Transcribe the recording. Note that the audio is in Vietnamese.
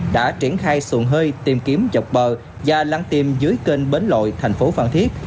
đã triển khai xuồng hơi tìm kiếm dọc bờ và lăng tim dưới kênh bến lội thành phố phan thiết